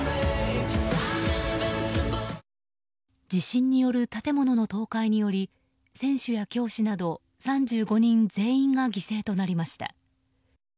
地震による建物の倒壊により選手や教師など３５人全員が犠牲となりました。